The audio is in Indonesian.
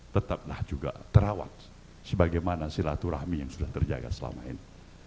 tetaplah juga terawat sebagaimana silaturahmi yang sudah terjaga selama ini